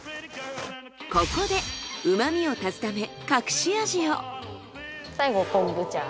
ここで旨みを足すため隠し味を。